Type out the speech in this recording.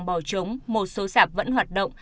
bò trống một số sạp vẫn hoạt động